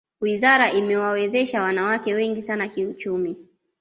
wizara imewawezesha wanawake wengi sana kiuchumi